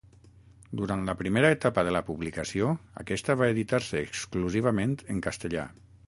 Durant la primera etapa de la publicació, aquesta va editar-se exclusivament en castellà.